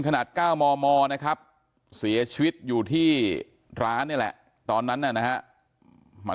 ขนาด๙มมนะครับเสียชีวิตอยู่ที่ร้านนี่แหละตอนนั้นนะฮะมัน